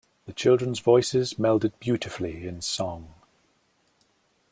The children’s voices melded beautifully in song.